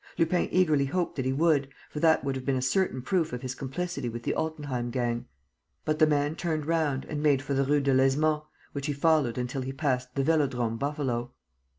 Lupin eagerly hoped that he would, for that would have been a certain proof of his complicity with the Altenheim gang; but the man turned round and made for the Rue Delaizement, which he followed until he passed the Velodrome Buffalo.